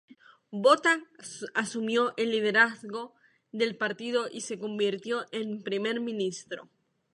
Botha asumió el liderazgo del partido y se convirtió en primer ministro.